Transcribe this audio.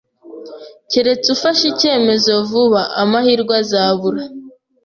Keretse ufashe icyemezo vuba, amahirwe azabura.